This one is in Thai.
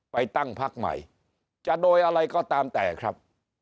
ไปตั้งพักใหม่จะโดยอะไรก็ตามแต่ครับ